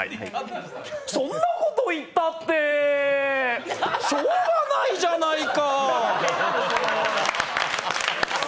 そんなこと言ったってしょうがないじゃないか。